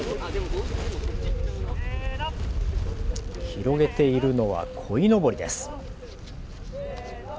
広げているのはこいのぼりです。